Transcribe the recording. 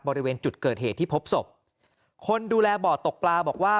บริเวณจุดเกิดเหตุที่พบศพคนดูแลบ่อตกปลาบอกว่า